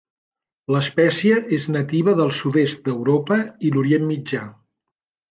L'espècie és nativa del sud-est d'Europa i l'Orient Mitjà.